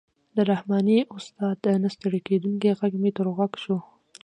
د رحماني استاد نه ستړی کېدونکی غږ مې تر غوږ شو.